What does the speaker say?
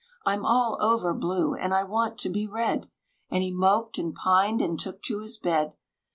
I'm all over blue, and I want to be red." And he moped and pined, and took to his bed.